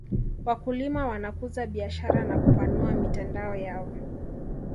wakulima wanakuza biashara na kupanua mitandao yao